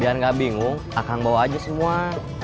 biar nggak bingung kakang bawa aja semua